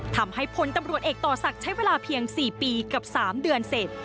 พลตำรวจเอกต่อศักดิ์ใช้เวลาเพียง๔ปีกับ๓เดือนเสร็จ